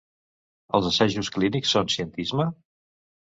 Els assajos clínics són cientisme?